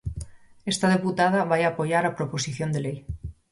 Esta deputada vai apoiar a proposición de lei.